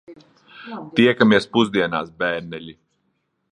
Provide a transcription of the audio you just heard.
Tiekamies pusdienās, bērneļi.